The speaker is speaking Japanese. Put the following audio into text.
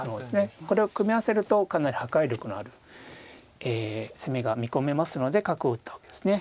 これを組み合わせるとかなり破壊力のある攻めが見込めますので角を打ったわけですね。